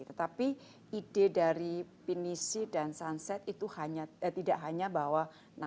tetapi ide dari pinisi dan sunset itu tidak hanya bahwa